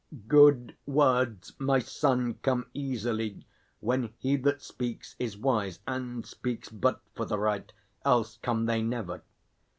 Good words, my son, come easily, when he That speaks is wise, and speaks but for the right. Else come they never!